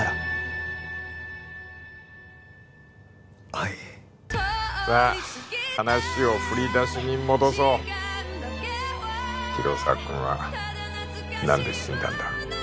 はいさあ話を振り出しに戻そう広沢君はなんで死んだんだ